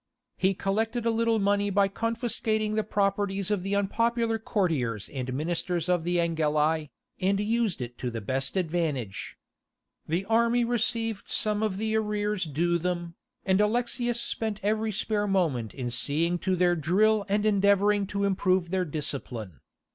He collected a little money by confiscating the properties of the unpopular courtiers and ministers of the Angeli, and used it to the best advantage. The army received some of the arrears due to them, and Alexius spent every spare moment in seeing to their drill and endeavouring to improve their discipline.